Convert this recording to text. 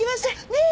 ねえ？